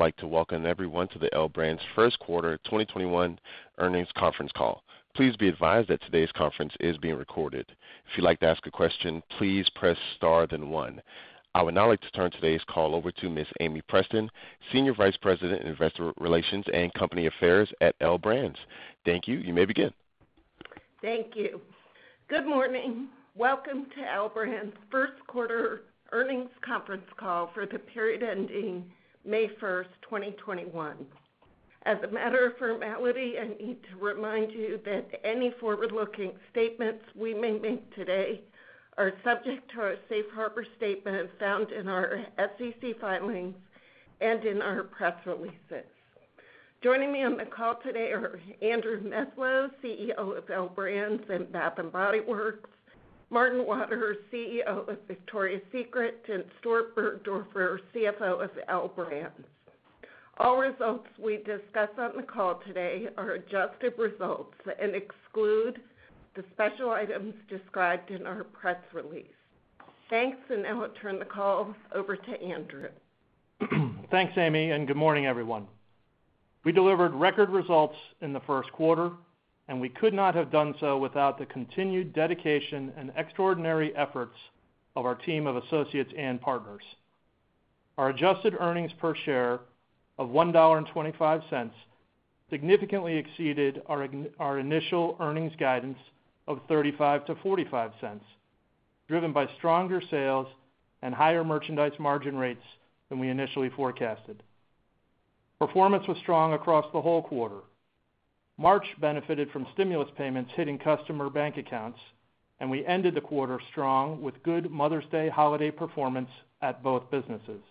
I would like to welcome everyone to the L Brands first quarter 2021 earnings conference call. Please be advised that today's conference is being recorded. If you like to ask a question, please press star then one. I would now like to turn today's call over to Ms. Amie Preston, Senior Vice President Investor Relations and Company Affairs at L Brands. Thank you. You may begin. Thank you. Good morning. Welcome to L Brands' first quarter earnings conference call for the period ending May 1st, 2021. As a matter of formality, I need to remind you that any forward-looking statements we may make today are subject to our safe harbor statement found in our SEC filings and in our press releases. Joining me on the call today are Andrew Meslow, CEO of L Brands and Bath & Body Works, Martin Waters, CEO of Victoria's Secret, and Stuart Burgdoerfer, CFO of L Brands. All results we discuss on the call today are adjusted results and exclude the special items described in our press release. Thanks, and I will turn the call over to Andrew. Thanks, Amie. Good morning, everyone. We delivered record results in the first quarter, and we could not have done so without the continued dedication and extraordinary efforts of our team of associates and partners. Our adjusted earnings per share of $1.25 significantly exceeded our initial earnings guidance of $0.35-$0.45, driven by stronger sales and higher merchandise margin rates than we initially forecasted. Performance was strong across the whole quarter. March benefited from stimulus payments hitting customer bank accounts, and we ended the quarter strong with good Mother's Day holiday performance at both businesses.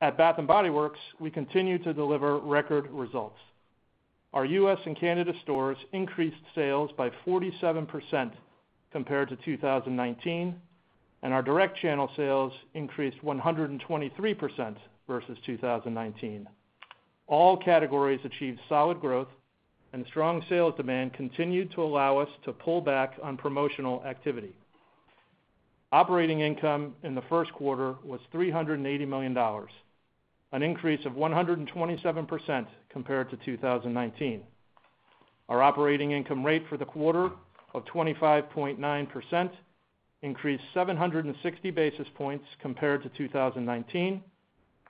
At Bath & Body Works, we continued to deliver record results. Our U.S. and Canada stores increased sales by 47% compared to 2019, and our direct channel sales increased 123% versus 2019. All categories achieved solid growth, and strong sales demand continued to allow us to pull back on promotional activity. Operating income in the first quarter was $380 million, an increase of 127% compared to 2019. Our operating income rate for the quarter of 25.9% increased 760 basis points compared to 2019,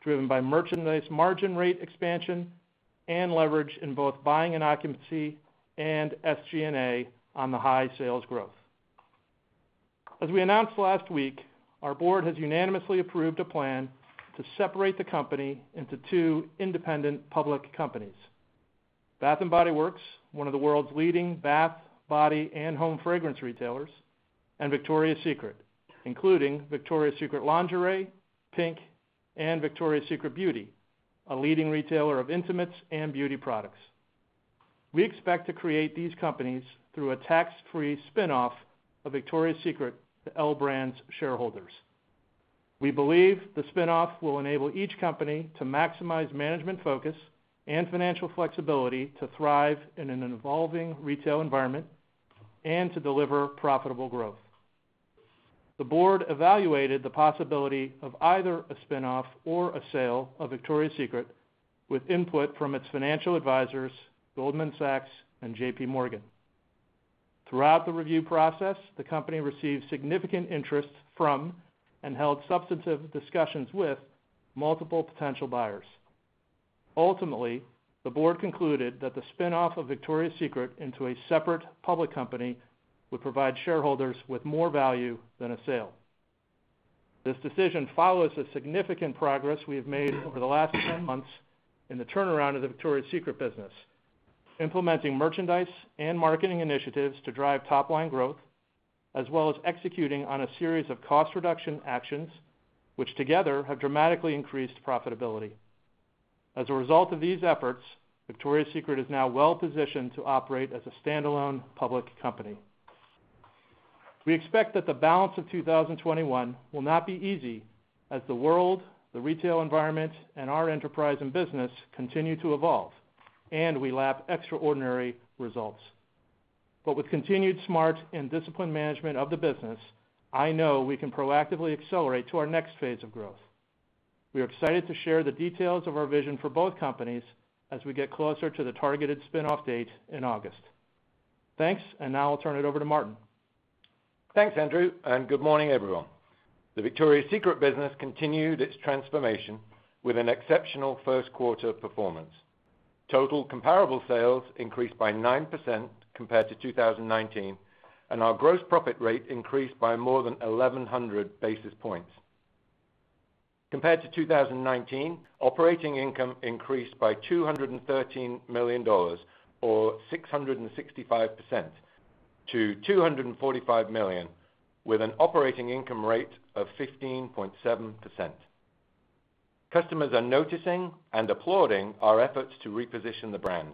driven by merchandise margin rate expansion and leverage in both buying and occupancy and SG&A on the high sales growth. As we announced last week, our board has unanimously approved a plan to separate the company into two independent public companies. Bath & Body Works, one of the world's leading bath, body, and home fragrance retailers, and Victoria's Secret, including Victoria's Secret lingerie, PINK, and Victoria's Secret Beauty, a leading retailer of intimates and beauty products. We expect to create these companies through a tax-free spinoff of Victoria's Secret to L Brands shareholders. We believe the spinoff will enable each company to maximize management focus and financial flexibility to thrive in an evolving retail environment and to deliver profitable growth. The board evaluated the possibility of either a spinoff or a sale of Victoria's Secret with input from its financial advisors, Goldman Sachs and JPMorgan. Throughout the review process, the company received significant interest from, and held substantive discussions with, multiple potential buyers. Ultimately, the board concluded that the spinoff of Victoria's Secret into a separate public company would provide shareholders with more value than a sale. This decision follows the significant progress we've made over the last 10 months in the turnaround of the Victoria's Secret business, implementing merchandise and marketing initiatives to drive top-line growth, as well as executing on a series of cost reduction actions, which together have dramatically increased profitability. As a result of these efforts, Victoria's Secret is now well-positioned to operate as a standalone public company. We expect that the balance of 2021 will not be easy as the world, the retail environment, and our enterprise and business continue to evolve, and we lap extraordinary results. With continued smart and disciplined management of the business, I know we can proactively accelerate to our next phase of growth. We are excited to share the details of our vision for both companies as we get closer to the targeted spinoff date in August. Thanks, and now I'll turn it over to Martin. Thanks, Andrew, and good morning, everyone. The Victoria's Secret business continued its transformation with an exceptional first quarter performance. Total comparable sales increased by 9% compared to 2019, and our gross profit rate increased by more than 1,100 basis points. Compared to 2019, operating income increased by $213 million, or 665%, to $245 million, with an operating income rate of 15.7%. Customers are noticing and applauding our efforts to reposition the brand.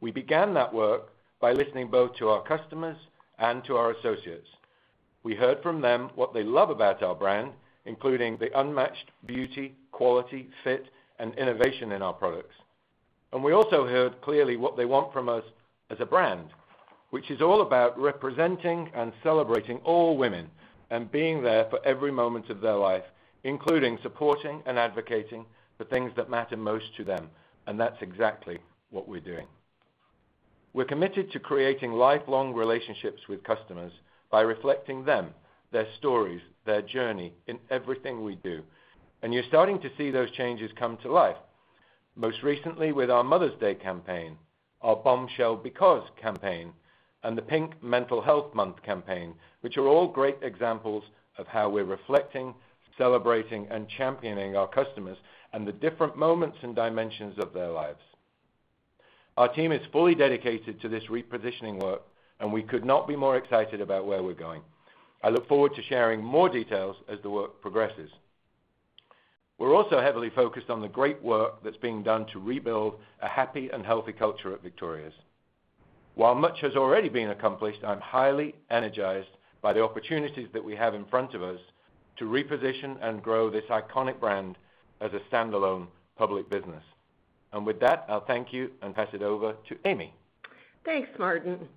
We began that work by listening both to our customers and to our associates. We heard from them what they love about our brand, including the unmatched beauty, quality, fit, and innovation in our products We also heard clearly what they want from us as a brand, which is all about representing and celebrating all women and being there for every moment of their life, including supporting and advocating the things that matter most to them, and that's exactly what we're doing. We're committed to creating lifelong relationships with customers by reflecting them, their stories, their journey in everything we do. You're starting to see those changes come to life, most recently with our Mother's Day campaign, our Bombshell Because campaign, and the PINK Mental Health Month campaign, which are all great examples of how we're reflecting, celebrating, and championing our customers and the different moments and dimensions of their lives. Our team is fully dedicated to this repositioning work, and we could not be more excited about where we're going. I look forward to sharing more details as the work progresses. We're also heavily focused on the great work that's being done to rebuild a happy and healthy culture at Victoria's. While much has already been accomplished, I'm highly energized by the opportunities that we have in front of us to reposition and grow this iconic brand as a standalone public business. With that, I'll thank you and pass it over to Amie. Thanks, Martin.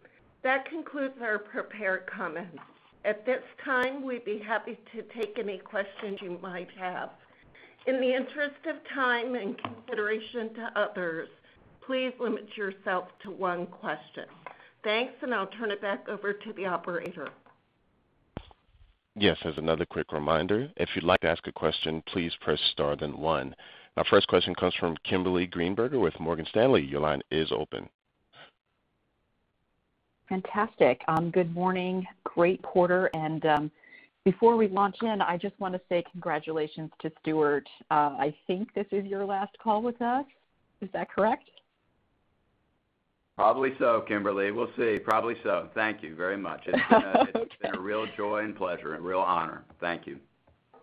That concludes our prepared comments. At this time, we'd be happy to take any questions you might have. In the interest of time and consideration to others, please limit yourself to one question. Thanks, and I'll turn it back over to the operator. Yes. As another quick reminder, if you like to ask a question, please press star then one. Our first question comes from Kimberly Greenberger with Morgan Stanley. Your line is open. Fantastic. Good morning, great quarter, and before we launch in, I just want to say congratulations to Stuart. I think this is your last call with us. Is that correct? Probably so, Kimberly. We'll see. Probably so. Thank you very much. It's been a real joy and pleasure and real honor. Thank you.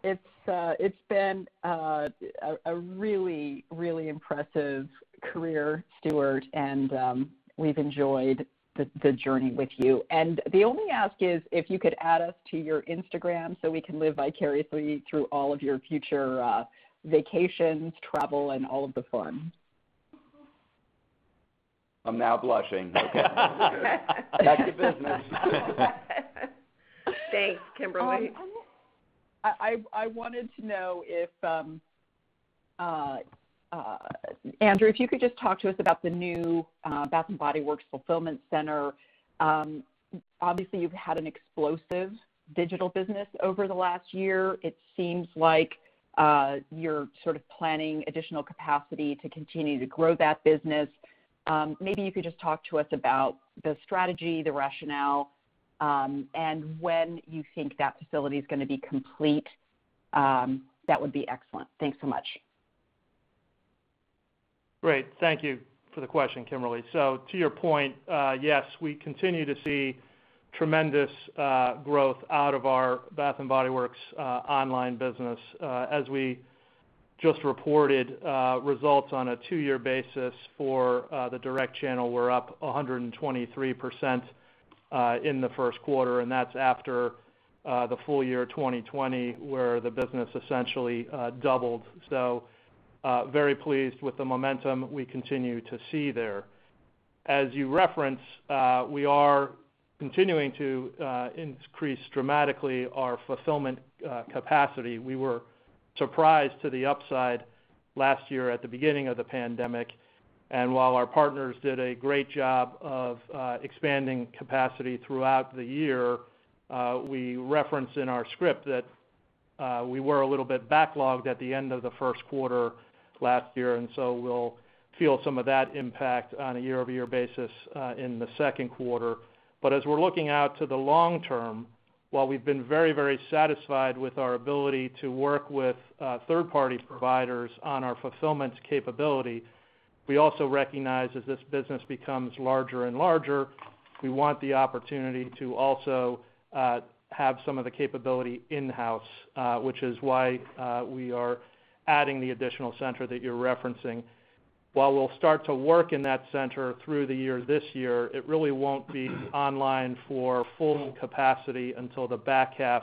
It's been a really impressive career, Stuart, and we've enjoyed the journey with you. The only ask is if you could add us to your Instagram so we can live vicariously through all of your future vacations, travel, and all of the fun. I'm now blushing. Back to business. Thanks, Kimberly. I wanted to know, Andrew, if you could just talk to us about the new Bath & Body Works fulfillment center. Obviously, you've had an explosive digital business over the last year. It seems like you're planning additional capacity to continue to grow that business. Maybe you could just talk to us about the strategy, the rationale, and when you think that facility is going to be complete? That would be excellent. Thanks so much. Great. Thank you for the question, Kimberly. To your point, yes, we continue to see tremendous growth out of our Bath & Body Works online business. As we just reported, results on a two-year basis for the direct channel were up 123% in the first quarter, and that's after the full year 2020, where the business essentially doubled. Very pleased with the momentum we continue to see there. As you referenced, we are continuing to increase dramatically our fulfillment capacity. We were surprised to the upside last year at the beginning of the pandemic, and while our partners did a great job of expanding capacity throughout the year, we referenced in our script that we were a little bit backlogged at the end of the first quarter last year, we'll feel some of that impact on a year-over-year basis in the second quarter. As we're looking out to the long term, while we've been very satisfied with our ability to work with third-party providers on our fulfillment capability, we also recognize as this business becomes larger and larger, we want the opportunity to also have some of the capability in-house, which is why we are adding the additional center that you're referencing. While we'll start to work in that center through the year this year, it really won't be online for full capacity until the back half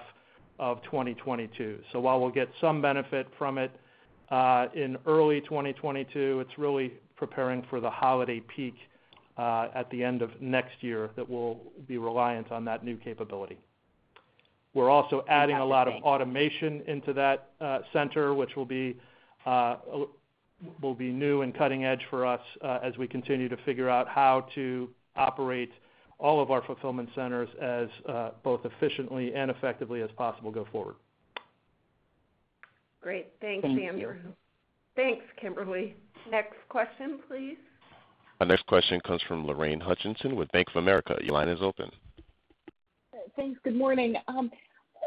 of 2022. While we'll get some benefit from it in early 2022, it's really preparing for the holiday peak, at the end of next year that we'll be reliant on that new capability. We're also adding a lot of automation into that center, which will be new and cutting-edge for us as we continue to figure out how to operate all of our fulfillment centers as both efficiently and effectively as possible go forward. Great. Thanks, Andrew. Thanks, Kimberly. Next question, please. Our next question comes from Lorraine Hutchinson with Bank of America. Your line is open. Thanks. Good morning. I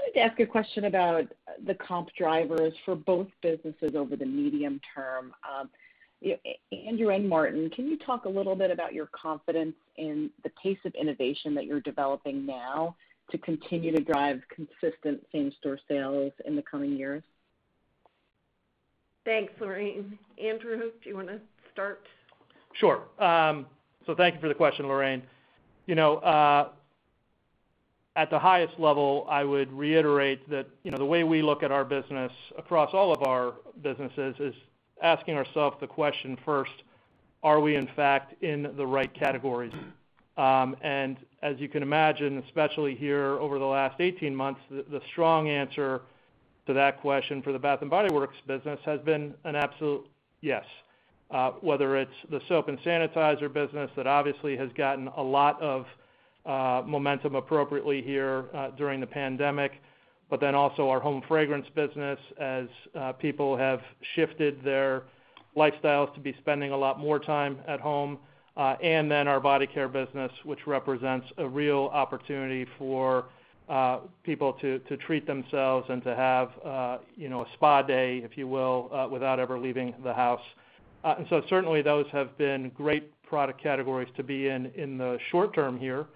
wanted to ask a question about the comp drivers for both businesses over the medium term. Andrew and Martin, can you talk a little bit about your confidence in the pace of innovation that you're developing now to continue to drive consistent same-store sales in the coming years? Thanks, Lorraine. Andrew, do you want to start? Sure. Thank you for the question, Lorraine. At the highest level, I would reiterate that the way we look at our business across all of our businesses is asking ourself the question first, are we in fact in the right categories? As you can imagine, especially here over the last 18 months, the strong answer to that question for the Bath & Body Works business has been an absolute yes. Whether it's the soap and sanitizer business that obviously has gotten a lot of momentum appropriately here during the pandemic, but then also our home fragrance business as people have shifted their lifestyles to be spending a lot more time at home, and then our body care business, which represents a real opportunity for people to treat themselves and to have a spa day, if you will, without ever leaving the house. Certainly, those have been great product categories to be in the short term here.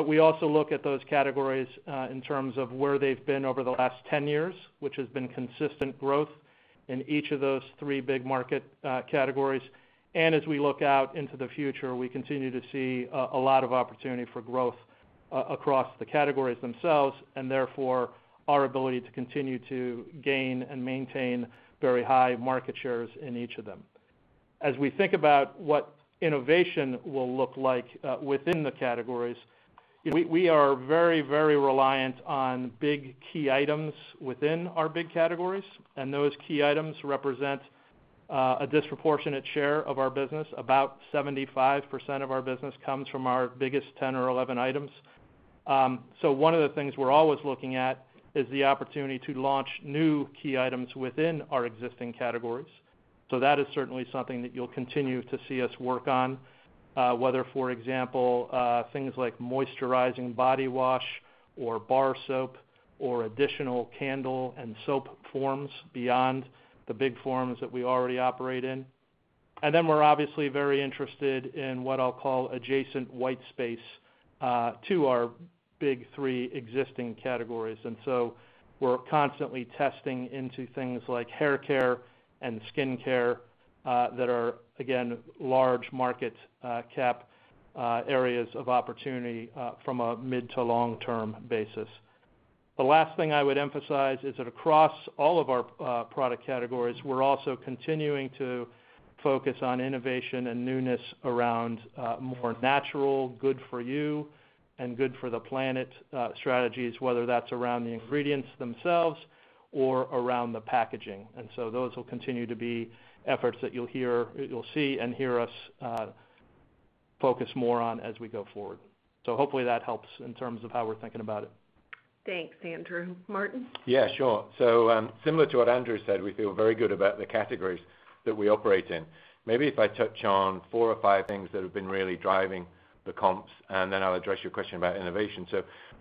We also look at those categories in terms of where they've been over the last 10 years, which has been consistent growth in each of those three big market categories. As we look out into the future, we continue to see a lot of opportunity for growth across the categories themselves, and therefore our ability to continue to gain and maintain very high market shares in each of them. As we think about what innovation will look like within the categories, we are very, very reliant on big key items within our big categories, and those key items represent a disproportionate share of our business. About 75% of our business comes from our biggest 10 or 11 items. One of the things we're always looking at is the opportunity to launch new key items within our existing categories. That is certainly something that you'll continue to see us work on, whether, for example, things like moisturizing body wash or bar soap or additional candle and soap forms beyond the big forms that we already operate in. We're obviously very interested in what I'll call adjacent white space to our big three existing categories. We're constantly testing into things like haircare and skincare, that are, again, large market cap areas of opportunity from a mid to long term basis. The last thing I would emphasize is that across all of our product categories, we're also continuing to focus on innovation and newness around more natural, good for you, and good for the planet strategies, whether that's around the ingredients themselves or around the packaging. Those will continue to be efforts that you'll see and hear us focus more on as we go forward. Hopefully that helps in terms of how we're thinking about it. Thanks, Andrew. Martin? Yeah, sure. Similar to what Andrew said, we feel very good about the categories that we operate in. Maybe if I touch on four or five things that have been really driving the comps, and then I'll address your question about innovation.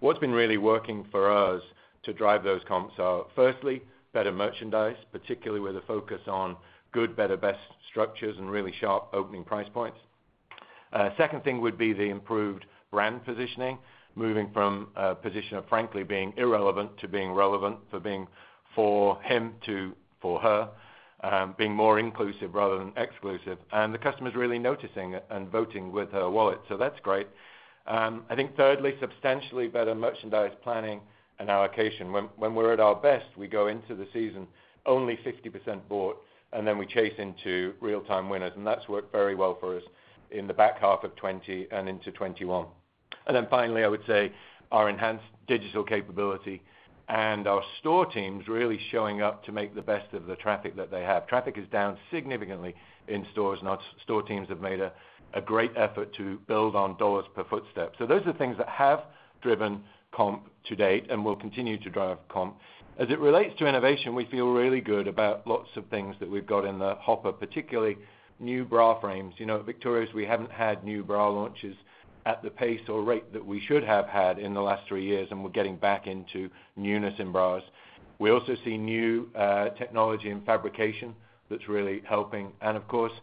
What's been really working for us to drive those comps are, firstly, better merchandise, particularly with a focus on good, better, best structures and really sharp opening price points. Second thing would be the improved brand positioning, moving from a position of frankly being irrelevant to being relevant, for being for him to for her, being more inclusive rather than exclusive. The customer's really noticing it and voting with her wallet, so that's great. I think thirdly, substantially better merchandise planning and allocation. When we're at our best, we go into the season only 50% bought, and then we chase into real-time winners, and that's worked very well for us in the back half of 2020 and into 2021. Finally, I would say our enhanced digital capability and our store teams really showing up to make the best of the traffic that they have. Traffic is down significantly in stores, and our store teams have made a great effort to build on dollars per footstep. Those are things that have driven comp to date and will continue to drive comp. As it relates to innovation, we feel really good about lots of things that we've got in the hopper, particularly new bra frames. At Victoria's, we haven't had new bra launches at the pace or rate that we should have had in the last three years, and we're getting back into newness in bras. We also see new technology and fabrication that's really helping. Of course,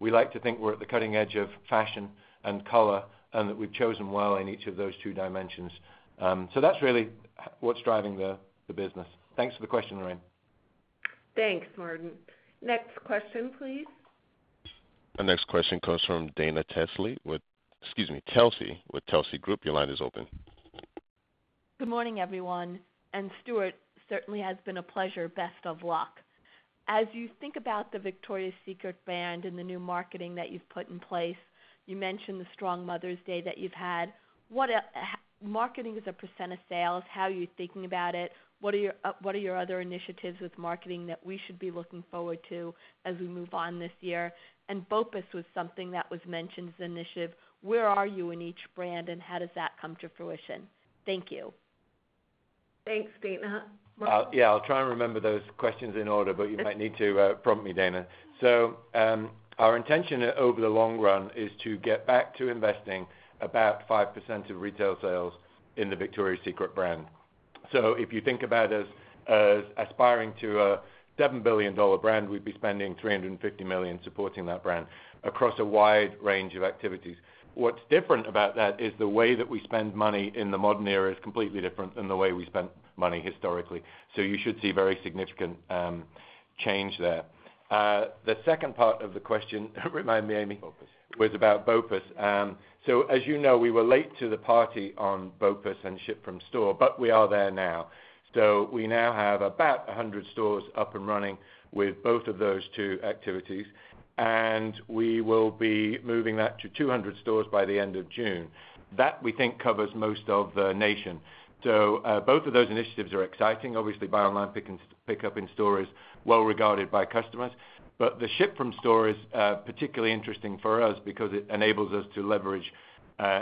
we like to think we're at the cutting edge of fashion and color, and that we've chosen well in each of those two dimensions. That's really what's driving the business. Thanks for the question, Lorraine. Thanks, Martin. Next question, please. The next question comes from Dana Telsey with, excuse me, Telsey with Telsey Advisory Group. Your line is open. Good morning, everyone. Stuart, certainly has been a pleasure. Best of luck. As you think about the Victoria's Secret brand and the new marketing that you've put in place, you mentioned the strong Mother's Day that you've had. Marketing as a percent of sales, how are you thinking about it? What are your other initiatives with marketing that we should be looking forward to as we move on this year? BOPUS was something that was mentioned as an initiative. Where are you in each brand, and how does that come to fruition? Thank you. Thanks, Dana. Martin? Yeah, I'll try and remember those questions in order, but you might need to prompt me, Dana. Our intention over the long run is to get back to investing about 5% of retail sales in the Victoria's Secret brand. If you think about us aspiring to a $7 billion brand, we'd be spending $350 million supporting that brand across a wide range of activities. What's different about that is the way that we spend money in the modern era is completely different than the way we spent money historically. You should see very significant change there. The second part of the question, remind me, Amie. BOPUS. Was about BOPUS. As you know, we were late to the party on BOPUS and ship from store, but we are there now. We now have about 100 stores up and running with both of those two activities, and we will be moving that to 200 stores by the end of June. That, we think, covers most of the nation. Both of those initiatives are exciting. Obviously, Buy Online, Pick Up in Store is well-regarded by customers. The ship from store is particularly interesting for us because it enables us to leverage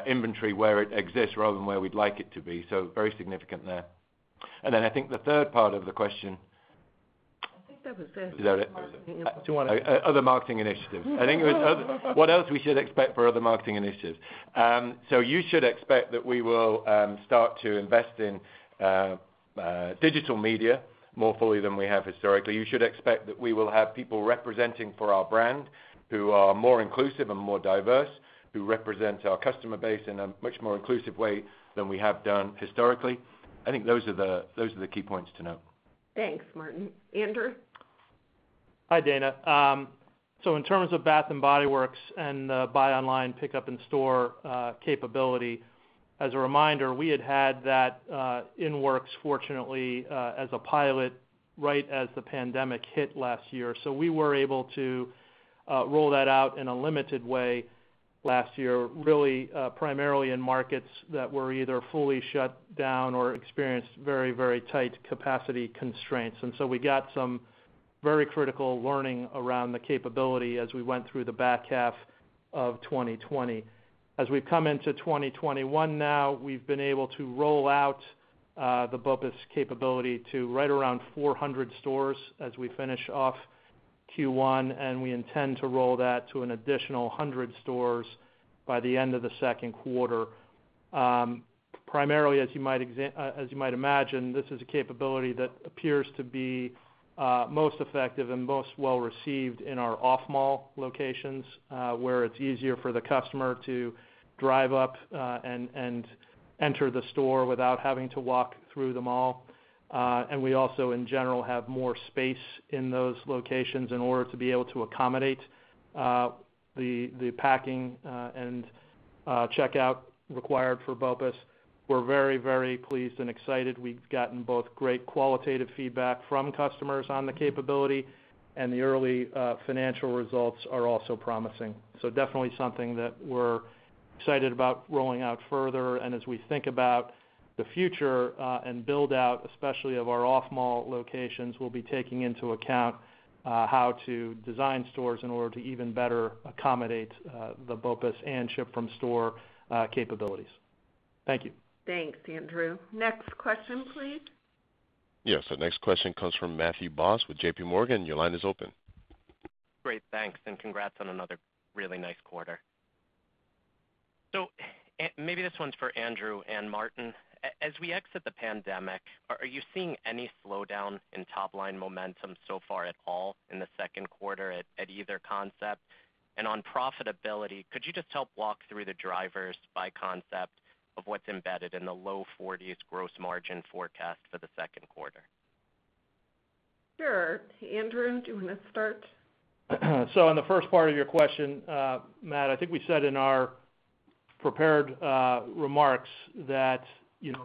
inventory where it exists rather than where we'd like it to be. Very significant there. I think the third part of the question. I think that was it for marketing. Other marketing initiatives. I think it was what else we should expect for other marketing initiatives. You should expect that we will start to invest in digital media more fully than we have historically. You should expect that we will have people representing for our brand who are more inclusive and more diverse, who represent our customer base in a much more inclusive way than we have done historically. I think those are the key points to note. Thanks, Martin. Andrew? Hi, Dana. In terms of Bath & Body Works and the Buy Online, Pick Up in Store capability, as a reminder, we had had that in works, fortunately, as a pilot right as the pandemic hit last year. We were able to roll that out in a limited way last year, really primarily in markets that were either fully shut down or experienced very tight capacity constraints. We got some very critical learning around the capability as we went through the back half of 2020. As we come into 2021 now, we've been able to roll out the BOPUS capability to right around 400 stores as we finish off Q1. We intend to roll that to an additional 100 stores by the end of the second quarter. Primarily, as you might imagine, this is a capability that appears to be most effective and most well-received in our off-mall locations where it's easier for the customer to drive up and enter the store without having to walk through the mall. We also, in general, have more space in those locations in order to be able to accommodate the packing and checkout required for BOPUS. We're very pleased and excited. We've gotten both great qualitative feedback from customers on the capability, and the early financial results are also promising. Definitely something that we're excited about rolling out further. As we think about the future and build out especially of our off-mall locations, we'll be taking into account how to design stores in order to even better accommodate the BOPUS and ship from store capabilities. Thank you. Thanks, Andrew. Next question, please. Yes. The next question comes from Matthew Boss with JPMorgan. Your line is open. Great. Thanks, and congrats on another really nice quarter. Maybe this one's for Andrew and Martin. As we exit the pandemic, are you seeing any slowdown in top-line momentum so far at all in the second quarter at either concept? On profitability, could you just help walk through the drivers by concept of what's embedded in the low 40%s gross margin forecast for the second quarter? Sure. Andrew, do you want to start? On the first part of your question, Matt, I think we said in our prepared remarks that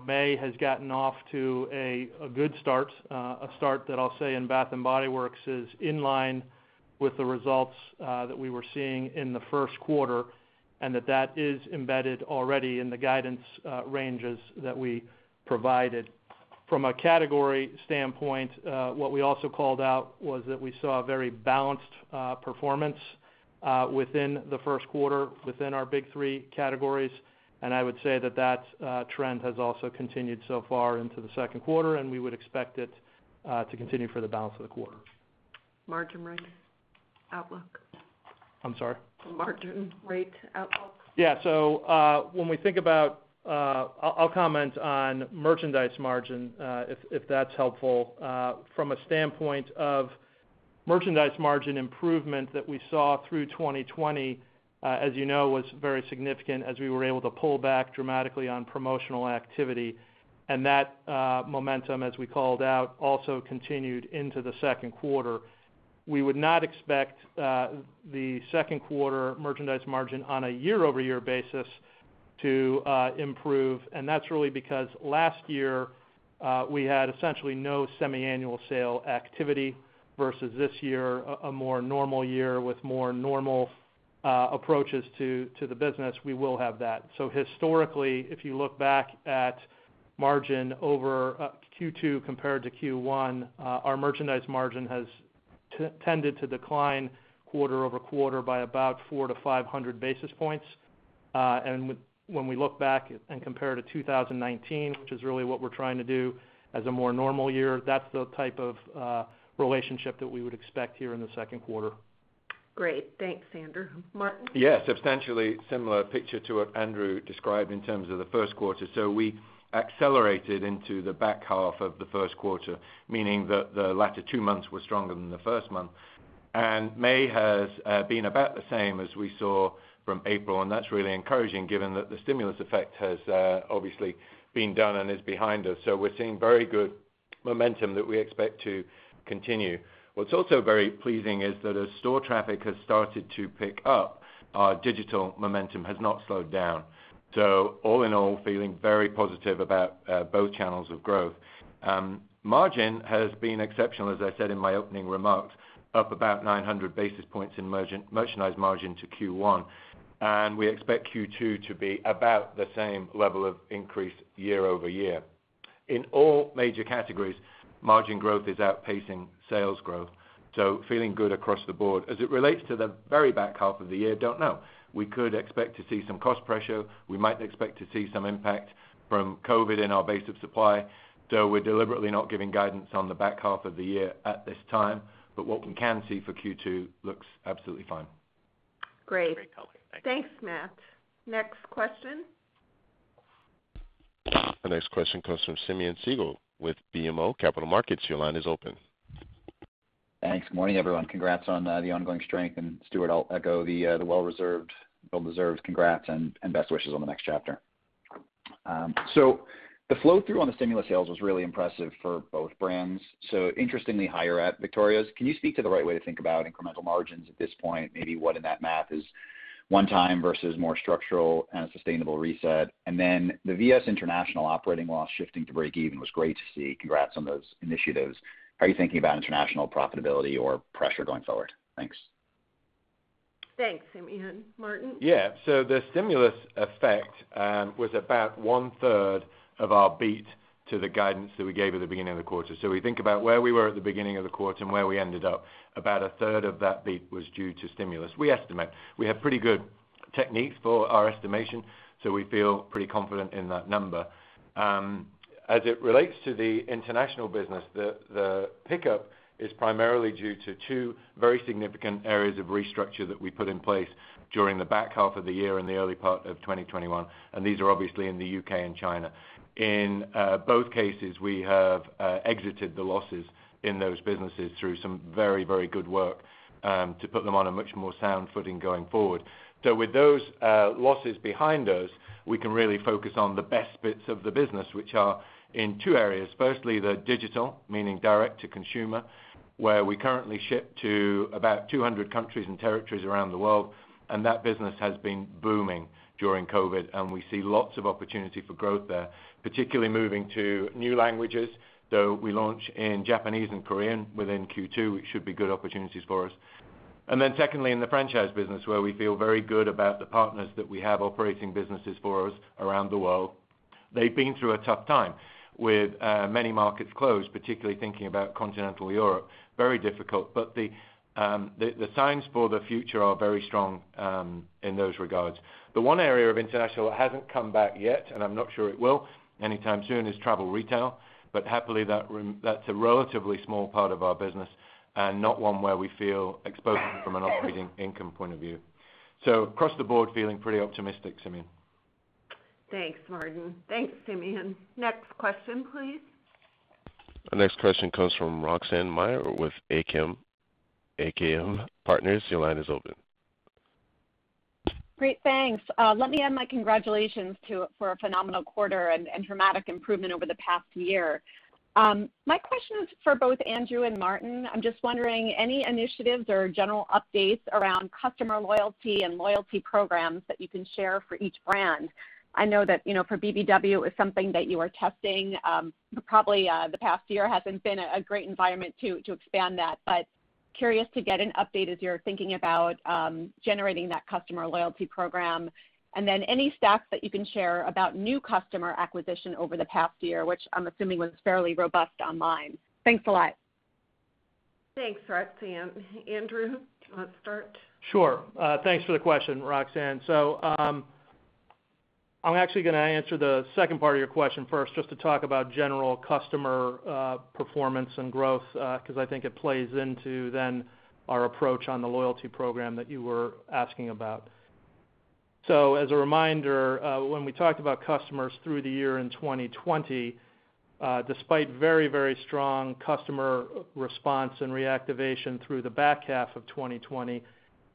May has gotten off to a good start, a start that I'll say in Bath & Body Works is in line with the results that we were seeing in the first quarter, and that that is embedded already in the guidance ranges that we provided. From a category standpoint, what we also called out was that we saw very balanced performance within the first quarter within our big three categories, and I would say that trend has also continued so far into the second quarter, and we would expect it to continue for the balance of the quarter. Margin rate outlook. I'm sorry? Margin rate outlook. Yeah. I'll comment on merchandise margin, if that's helpful. From a standpoint of merchandise margin improvement that we saw through 2020, as you know, was very significant as we were able to pull back dramatically on promotional activity. That momentum, as we called out, also continued into the second quarter. We would not expect the second quarter merchandise margin on a year-over-year basis to improve, that's really because last year we had essentially no semi-annual sale activity versus this year, a more normal year with more normal approaches to the business, we will have that. Historically, if you look back at margin over Q2 compared to Q1, our merchandise margin has tended to decline quarter-over-quarter by about 400 basis points to 500 basis points. When we look back and compare to 2019, which is really what we're trying to do as a more normal year, that's the type of relationship that we would expect here in the second quarter. Great. Thanks, Andrew. Martin? Yeah, substantially similar picture to what Andrew described in terms of the first quarter. We accelerated into the back half of the first quarter, meaning that the latter two months were stronger than the first month. May has been about the same as we saw from April, and that's really encouraging given that the stimulus effect has obviously been done and is behind us. We're seeing very good momentum that we expect to continue. What's also very pleasing is that as store traffic has started to pick up, our digital momentum has not slowed down. All in all, feeling very positive about both channels of growth. Margin has been exceptional, as I said in my opening remarks, up about 900 basis points in merchandise margin to Q1, and we expect Q2 to be about the same level of increase year-over-year. In all major categories, margin growth is outpacing sales growth. Feeling good across the board. As it relates to the very back half of the year, don't know. We could expect to see some cost pressure. We might expect to see some impact from COVID in our base of supply. We're deliberately not giving guidance on the back half of the year at this time. What we can see for Q2 looks absolutely fine. Great. Thanks, Matt. Next question. The next question comes from Simeon Siegel with BMO Capital Markets. Your line is open. Thanks. Morning, everyone. Congrats on the ongoing strength, and Stuart, I'll echo the well-deserved congrats and best wishes on the next chapter. The flow-through on the stimulus sales was really impressive for both brands, so interestingly higher at Victoria's. Can you speak to the right way to think about incremental margins at this point, maybe what in that math is one time versus more structural and sustainable reset? The VS International operating while shifting to breakeven was great to see. Congrats on those initiatives. How are you thinking about international profitability or pressure going forward? Thanks. Thanks, Simeon. Martin? Yeah. The stimulus effect was about 1/3 of our beat to the guidance that we gave at the beginning of the quarter. We think about where we were at the beginning of the quarter and where we ended up. About 1/3 of that beat was due to stimulus, we estimate. We have pretty good techniques for our estimation, so we feel pretty confident in that number. As it relates to the international business, the pickup is primarily due to two very significant areas of restructure that we put in place during the back half of the year and the early part of 2021, and these are obviously in the U.K. and China. In both cases, we have exited the losses in those businesses through some very good work to put them on a much more sound footing going forward. With those losses behind us, we can really focus on the best bits of the business, which are in two areas. Firstly, the digital, meaning direct to consumer, where we currently ship to about 200 countries and territories around the world, and that business has been booming during COVID, and we see lots of opportunity for growth there, particularly moving to new languages. We launch in Japanese and Korean within Q2, which should be good opportunities for us. Secondly, in the franchise business, where we feel very good about the partners that we have operating businesses for us around the world. They've been through a tough time with many markets closed, particularly thinking about continental Europe. Very difficult, but the signs for the future are very strong in those regards. The one area of international that hasn't come back yet, and I'm not sure it will anytime soon, is travel retail. Happily, that's a relatively small part of our business and not one where we feel exposed from an operating income point of view. Across the board, feeling pretty optimistic, Simeon. Thanks, Martin. Thanks, Simeon. Next question, please. The next question comes from Roxanne Meyer with MKM Partners. Great. Thanks. Let me add my congratulations too for a phenomenal quarter and dramatic improvement over the past year. My question is for both Andrew and Martin. I'm just wondering, any initiatives or general updates around customer loyalty and loyalty programs that you can share for each brand? I know that for BBW, it was something that you were testing. Probably the past year hasn't been a great environment to expand that, but curious to get an update if you're thinking about generating that customer loyalty program. Then any stats that you can share about new customer acquisition over the past year, which I'm assuming was fairly robust online. Thanks a lot. Thanks, Roxanne. Andrew, you want to start? Sure. Thanks for the question, Roxanne. I'm actually going to answer the second part of your question first, just to talk about general customer performance and growth, because I think it plays into then our approach on the loyalty program that you were asking about. As a reminder, when we talked about customers through the year in 2020, despite very strong customer response and reactivation through the back half of 2020,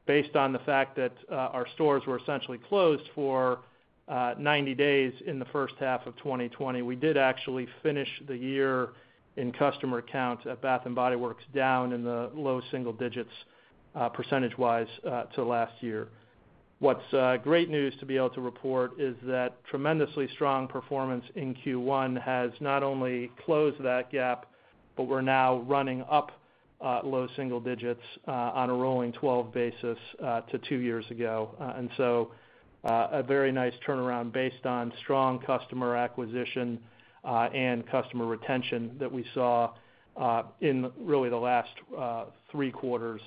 based on the fact that our stores were essentially closed for 90 days in the first half of 2020, we did actually finish the year in customer counts at Bath & Body Works down in the low single digits percentage-wise to last year. What's great news to be able to report is that tremendously strong performance in Q1 has not only closed that gap, but we're now running up low single digits on a rolling 12 basis to two years ago. A very nice turnaround based on strong customer acquisition and customer retention that we saw in really the last three quarters.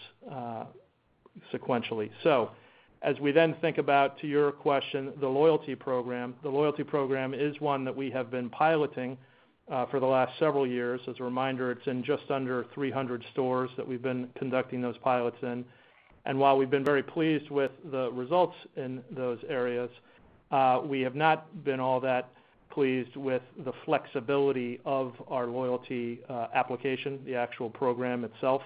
Sequentially, as we then think about, to your question, the loyalty program. The loyalty program is one that we have been piloting for the last several years. As a reminder, it's in just under 300 stores that we've been conducting those pilots in. While we've been very pleased with the results in those areas, we have not been all that pleased with the flexibility of our loyalty application, the actual program itself.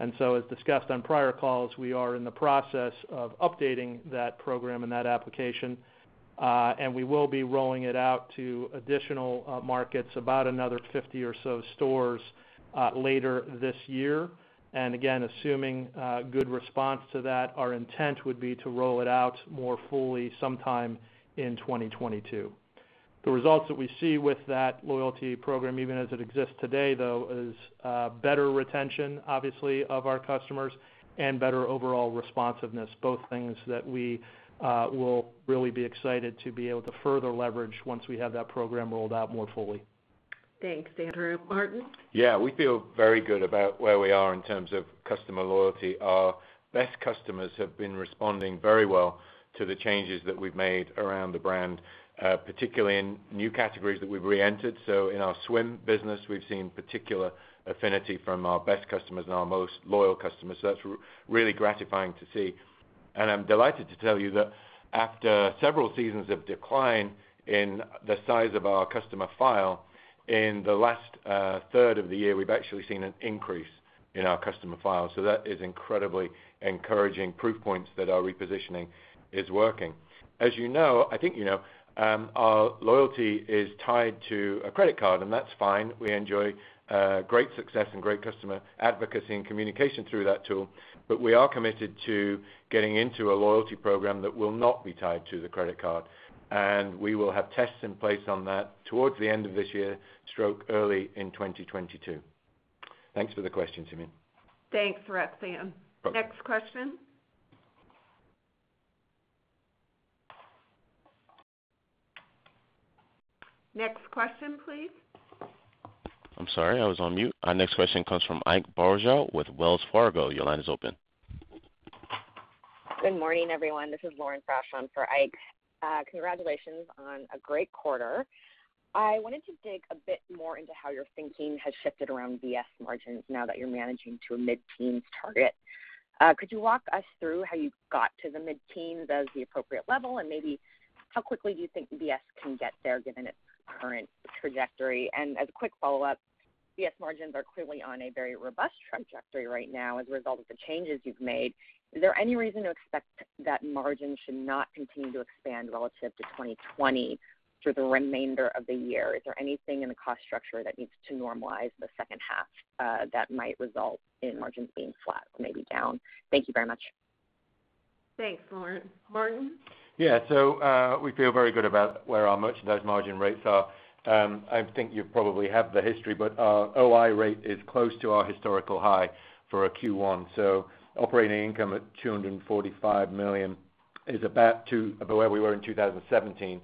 As discussed on prior calls, we are in the process of updating that program and that application. We will be rolling it out to additional markets, about another 50 or so stores, later this year. Again, assuming good response to that, our intent would be to roll it out more fully sometime in 2022. The results that we see with that loyalty program, even as it exists today, though, is better retention, obviously, of our customers and better overall responsiveness. Both things that we will really be excited to be able to further leverage once we have that program rolled out more fully. Thanks, Andrew. Martin? Yeah, we feel very good about where we are in terms of customer loyalty. Our best customers have been responding very well to the changes that we've made around the brand, particularly in new categories that we've reentered. In our swim business, we've seen particular affinity from our best customers and our most loyal customers. That's really gratifying to see. I'm delighted to tell you that after several seasons of decline in the size of our customer file, in the last third of the year, we've actually seen an increase in our customer file. That is incredibly encouraging proof points that our repositioning is working. As you know, I think you know, our loyalty is tied to a credit card, and that's fine. We enjoy great success and great customer advocacy and communication through that tool. We are committed to getting into a loyalty program that will not be tied to the credit card. We will have tests in place on that towards the end of this year, stroke early in 2022. Thanks for the question, Roxanne. Thanks, Roxanne. Next question. Next question, please. I'm sorry, I was on mute. Next question comes from Ike Boruchow with Wells Fargo. Your line is open. Good morning, everyone. This is Lauren for Ike. Congratulations on a great quarter. I wanted to dig a bit more into how your thinking has shifted around VS margins now that you're managing to a mid-teens target. Could you walk us through how you got to the mid-teen? Is it the appropriate level? Maybe how quickly do you think VS can get there given its current trajectory? A quick follow-up, VS margins are clearly on a very robust trajectory right now with all of the changes you've made. Is there any reason to expect that margin should not continue to expand relative to 2020 through the remainder of the year? Is there anything in the cost structure that needs to normalize in the second half that might result in margins being flat, maybe down? Thank you very much. Thanks, Lauren. Martin? Yeah. We feel very good about where our merchandise margin rates are. I think you probably have the history, our OI rate is close to our historical high for a Q1. Operating income at $245 million is about where we were in 2017.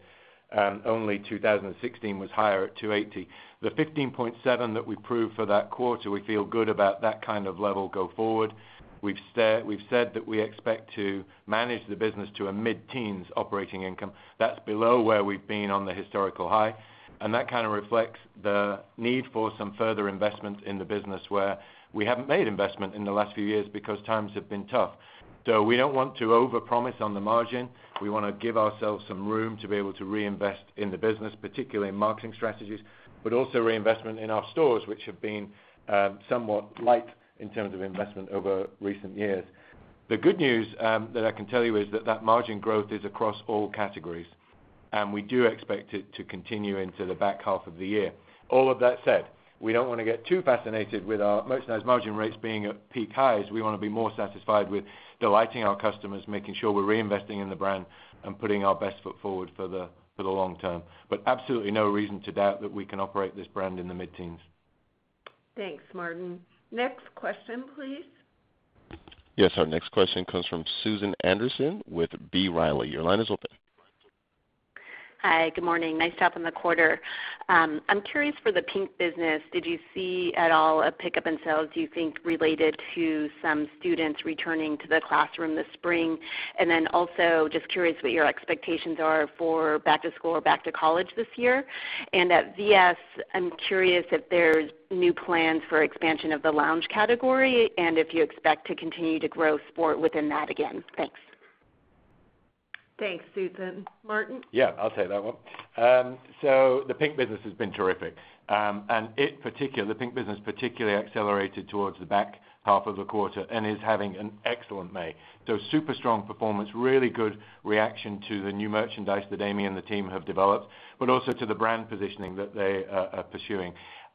Only 2016 was higher at $280. The 15.7% that we proved for that quarter, we feel good about that kind of level go forward. We've said that we expect to manage the business to a mid-teens operating income. That's below where we've been on the historical high, that reflects the need for some further investment in the business where we haven't made investment in the last few years because times have been tough. We don't want to overpromise on the margin. We want to give ourselves some room to be able to reinvest in the business, particularly in marketing strategies, but also reinvestment in our stores, which have been somewhat light in terms of investment over recent years. The good news that I can tell you is that that margin growth is across all categories, and we do expect it to continue into the back half of the year. All of that said, we don't want to get too fascinated with our merchandise margin rates being at peak highs. We want to be more satisfied with delighting our customers, making sure we're reinvesting in the brand, and putting our best foot forward for the long term. Absolutely no reason to doubt that we can operate this brand in the mid-teens. Thanks, Martin. Next question, please. Yes, our next question comes from Susan Anderson with B. Riley. Your line is open. Hi. Good morning. Nice job on the quarter. I'm curious for the PINK business, did you see at all a pickup in sales, do you think, related to some students returning to the classroom this spring? Also, just curious what your expectations are for back to school or back to college this year. At VS, I'm curious if there's new plans for expansion of the lounge category and if you expect to continue to grow sport within that again. Thanks. Thanks, Susan. Martin? Yeah, I'll take that one. The PINK business has been terrific. The PINK business particularly accelerated towards the back half of the quarter and is having an excellent May. Super strong performance, really good reaction to the new merchandise that Amie and the team have developed, but also to the brand positioning that they are pursuing.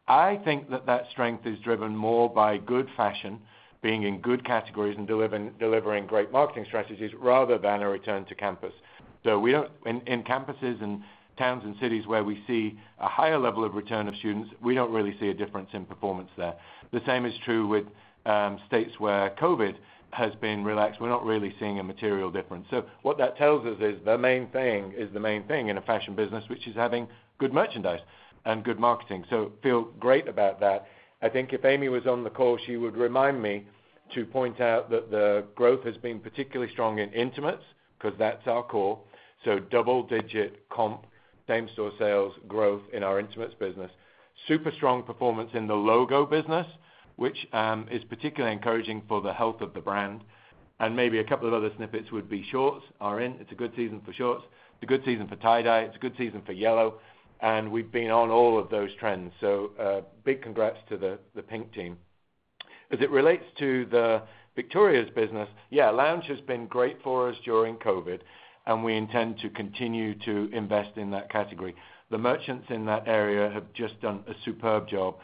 I think that that strength is driven more by good fashion being in good categories and delivering great marketing strategies rather than a return to campus. In campuses and towns and cities where we see a higher level of return of students, we don't really see a difference in performance there. The same is true with states where COVID has been relaxed. We're not really seeing a material difference. What that tells us is the main thing in a fashion business, which is having good merchandise and good marketing. Feel great about that. I think if Amie was on the call, she would remind me to point out that the growth has been particularly strong in intimates because that's our core. Double-digit comp same-store sales growth in our intimate's business. Super strong performance in the logo business, which is particularly encouraging for the health of the brand. Maybe a couple of other snippets would be shorts are in. It's a good season for shorts. It's a good season for tie-dye. It's a good season for yellow, and we've been on all of those trends. Big congrats to the PINK team. As it relates to the Victoria's business, yeah, lounge has been great for us during COVID, and we intend to continue to invest in that category. The merchants in that area have just done a superb job,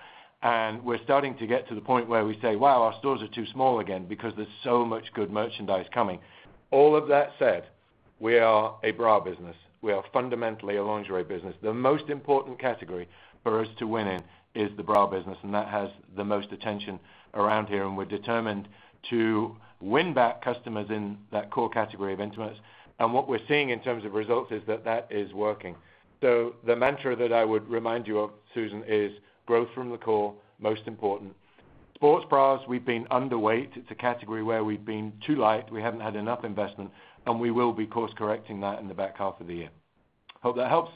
and we're starting to get to the point where we say, "Wow, our stores are too small again," because there's so much good merchandise coming. All of that said, we are a bra business. We are fundamentally a lingerie business. The most important category for us to win in is the bra business, and that has the most attention around here, and we're determined to win back customers in that core category of intimates. What we're seeing in terms of results is that that is working. The mantra that I would remind you of, Susan, is growth from the core, most important. Sports bras, we've been underweight. It's a category where we've been too light. We haven't had enough investment, and we will be course-correcting that in the back half of the year. Hope that helps.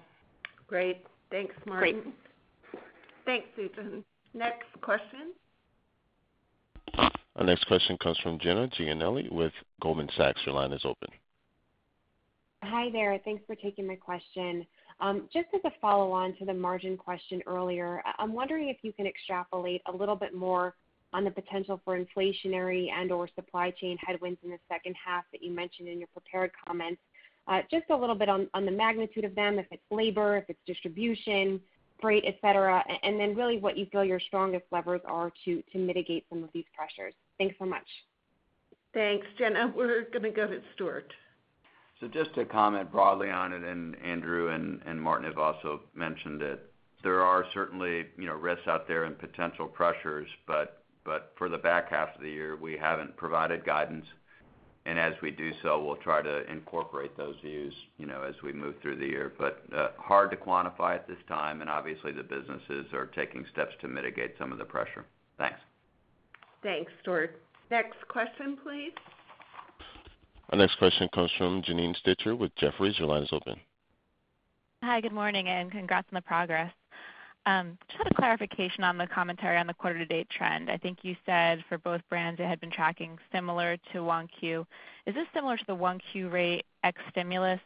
Great. Thanks, Martin. Great. Thanks, Susan. Next question. Our next question comes from Jenna Giannelli with Goldman Sachs. Your line is open. Hi there. Thanks for taking my question. Just as a follow-on to the margin question earlier, I'm wondering if you can extrapolate a little bit more on the potential for inflationary and/or supply chain headwinds in the second half that you mentioned in your prepared comments. Just a little bit on the magnitude of them, if it's labor, if it's distribution, freight, et cetera, and then really what you feel your strongest levers are to mitigate some of these pressures. Thanks so much. Thanks, Jenna. We're going to go to Stuart. Just to comment broadly on it, and Andrew and Martin have also mentioned it, there are certainly risks out there and potential pressures, but for the back half of the year, we haven't provided guidance. As we do so, we'll try to incorporate those views as we move through the year. Hard to quantify at this time, and obviously, the businesses are taking steps to mitigate some of the pressure. Thanks. Thanks, Stuart. Next question, please. Our next question comes from Janine Stichter with Jefferies. Your line is open. Hi, good morning. Congrats on the progress. Just a clarification on the commentary on the quarter-to-date trend. I think you said for both brands it had been tracking similar to 1Q. Is this similar to the 1Q rate ex-stimulus?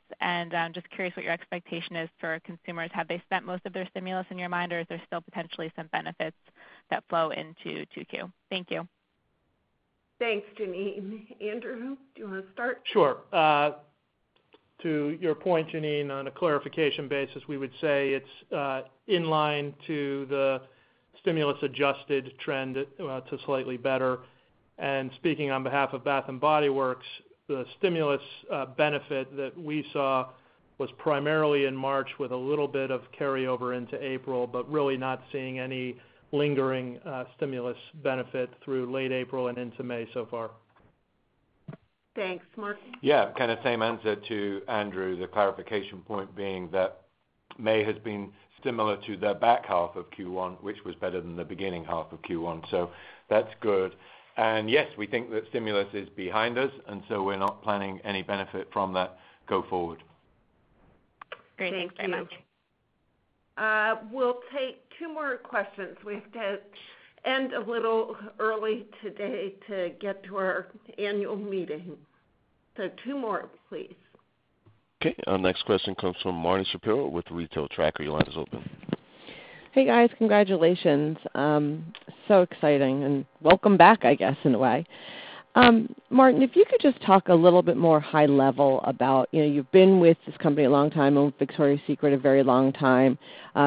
Just curious what your expectation is for consumers. Have they spent most of their stimulus in your mind, or is there still potentially some benefits that flow into 2Q? Thank you. Thanks, Janine. Andrew, do you want to start? Sure. To your point, Janine, on a clarification basis, we would say it's in line to the stimulus-adjusted trend to slightly better. Speaking on behalf of Bath & Body Works, the stimulus benefit that we saw was primarily in March with a little bit of carryover into April, but really not seeing any lingering stimulus benefit through late April and into May so far. Thanks. Martin? Yeah. Same answer to Andrew. The clarification point being that May has been similar to the back half of Q1, which was better than the beginning half of Q1. That's good. Yes, we think that stimulus is behind us. We're not planning any benefit from that go forward. Great. Thanks so much. We'll take two more questions. We have to end a little early today to get to our annual meeting. Two more, please. Okay, our next question comes from Marni Shapiro with The Retail Tracker. Your line is open. Hey, guys. Congratulations. So exciting, welcome back, I guess, in a way. Martin, if you could just talk a little bit more high level about, you've been with this company a long time, owned Victoria's Secret a very long time.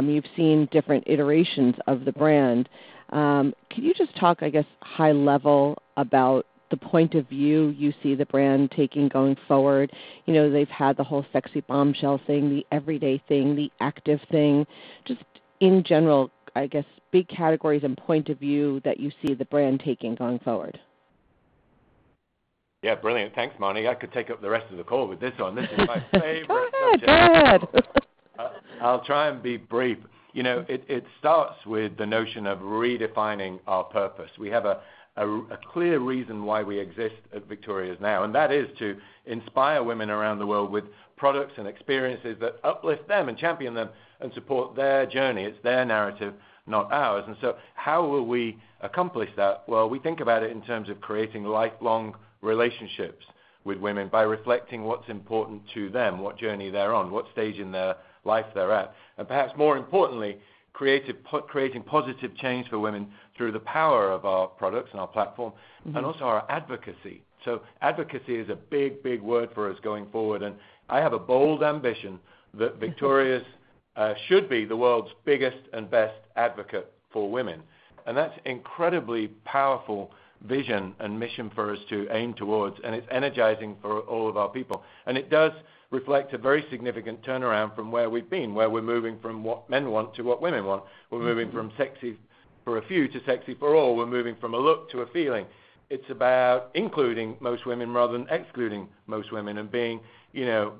You've seen different iterations of the brand. Can you just talk, I guess, high level about the point of view you see the brand taking going forward? They've had the whole sexy Bombshell thing, the everyday thing, the active thing. Just in general, I guess, big categories and point of view that you see the brand taking going forward. Yeah, brilliant. Thanks, Marni. I could take up the rest of the call with this one. This is my favorite subject. Oh, God. Good. I'll try and be brief. It starts with the notion of redefining our purpose. We have a clear reason why we exist at Victoria's now, and that is to inspire women around the world with products and experiences that uplift them and champion them and support their journey. It's their narrative, not ours. How will we accomplish that? Well, we think about it in terms of creating lifelong relationships with women by reflecting what's important to them, what journey they're on, what stage in their life they're at, and perhaps more importantly, creating positive change for women through the power of our products and our platform, and also our advocacy. Advocacy is a big, big word for us going forward, and I have a bold ambition that Victoria's should be the world's biggest and best advocate for women. That's incredibly powerful vision and mission for us to aim towards, and it's energizing for all of our people. It does reflect a very significant turnaround from where we've been, where we're moving from what men want to what women want. We're moving from sexy for a few to sexy for all. We're moving from a look to a feeling. It's about including most women rather than excluding most women and being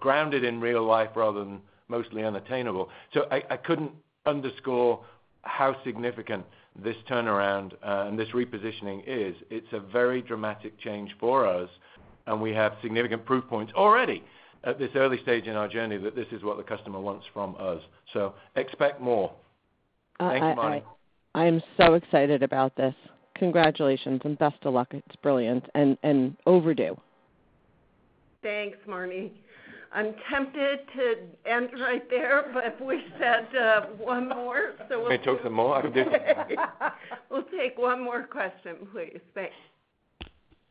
grounded in real life rather than mostly unattainable. I couldn't underscore how significant this turnaround and this repositioning is. It's a very dramatic change for us, and we have significant proof points already at this early stage in our journey that this is what the customer wants from us. Expect more. Thanks, Marni. I am so excited about this. Congratulations and best of luck. It's brilliant and overdue. Thanks, Marni. I'm tempted to end right there, but we said one more. We can take them all. I don't mind. We'll take one more question, please. Thanks.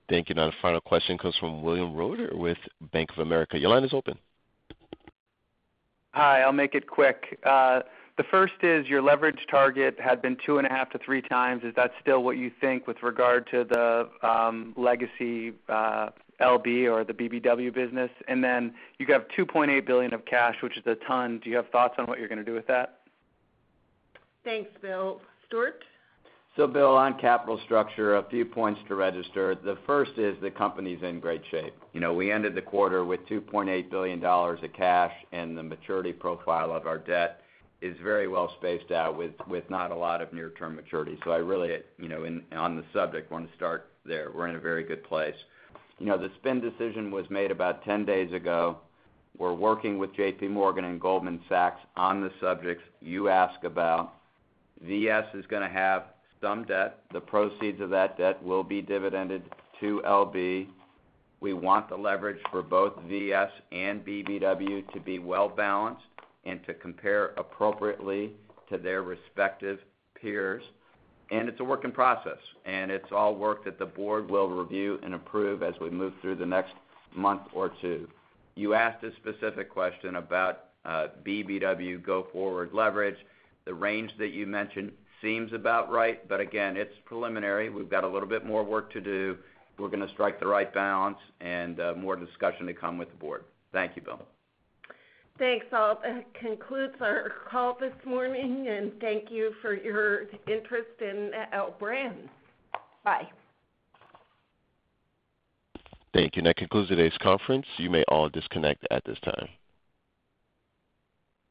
Thank you. The final question comes from William Reuter with Bank of America. Your line is open. Hi, I'll make it quick. The first is your leverage target had been 2.5x to 3x. Is that still what you think with regard to the legacy LB or the BBW business? Then you got $2.8 billion of cash, which is a ton. Do you have thoughts on what you're going to do with that? Thanks, Bill. Stuart? Bill, on capital structure, a few points to register. The first is the company's in great shape. We ended the quarter with $2.8 billion of cash, and the maturity profile of our debt is very well spaced out with not a lot of near-term maturity. I really, on the subject, want to start there. We're in a very good place. The spin decision was made about 10 days ago. We're working with JPMorgan and Goldman Sachs on the subjects you ask about. VS is going to have some debt. The proceeds of that debt will be dividended to LB. We want the leverage for both VS and BBW to be well-balanced and to compare appropriately to their respective peers. It's a work in process, and it's all work that the board will review and approve as we move through the next month or two. You asked a specific question about BBW go forward leverage. The range that you mentioned seems about right, but again, it's preliminary. We've got a little bit more work to do. We're going to strike the right balance and more discussion to come with the board. Thank you, Bill. Thanks, all. That concludes our call this morning and thank you for your interest in L Brands. Bye. Thank you. That concludes today's conference. You may all disconnect at this time.